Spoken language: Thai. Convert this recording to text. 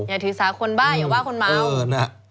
อย่าถือสาคนบ้าอย่าว่าคนเมา